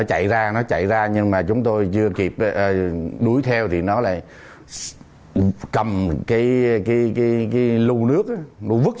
đại chính vật sư thêu